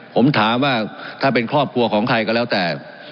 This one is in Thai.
ผมถามว่าถ้าเป็นครอบครัวของใครก็แล้วแต่